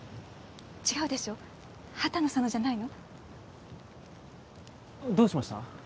違うでしょ畑野さんのじゃないの？どうしました？